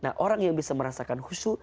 nah orang yang bisa merasakan khusyuk